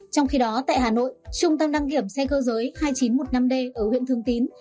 trong khi đó tại hà nội trung tâm đăng kiểm xe cơ giới hai nghìn chín trăm một mươi năm d ở huyện thường tín